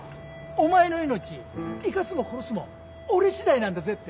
お前の命生かすも殺すも俺しだいなんだぜって